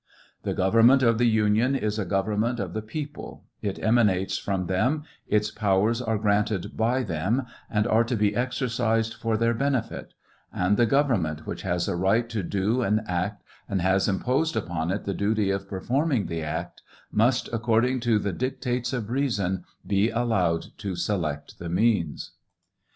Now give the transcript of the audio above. The government of the Union is a government of the people, it emanaljes from them, its powers are granted by them, and are to be exercised for their benefit ; and the government which has a right to do and act, and has imposed upon it the duty of performing the act, must, according to the dictates of reason, be allowed to select the means.